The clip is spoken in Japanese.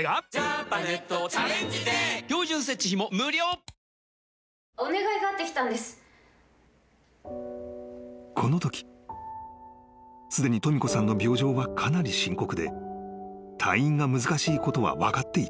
「お椀で食べるシリーズ」［このときすでにとみ子さんの病状はかなり深刻で退院が難しいことは分かっていた］